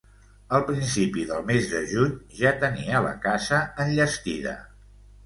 Al principi del mes de juny ja tenia la casa enllestida.